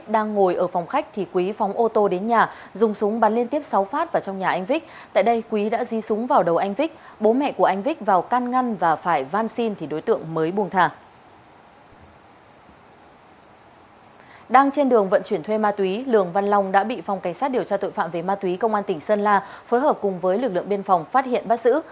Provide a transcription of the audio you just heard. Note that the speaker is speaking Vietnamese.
đang trên đường vận chuyển thuê ma túy lường văn long đã bị phòng cảnh sát điều tra tội phạm về ma túy công an tỉnh sơn la phối hợp cùng với lực lượng biên phòng phát hiện bắt giữ